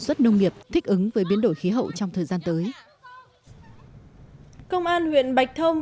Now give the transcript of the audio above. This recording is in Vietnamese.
xuất nông nghiệp thích ứng với biến đổi khí hậu trong thời gian tới công an huyện bạch thông